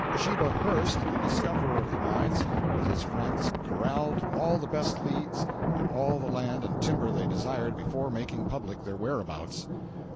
Sheba Hurst, the discoverer of the mines, with his friends corralled all the best leads and all the land and timber they desired before making public their whereabouts.